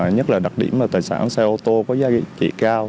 nhất là đặc điểm tài sản xe ô tô có giá trị cao